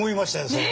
それ。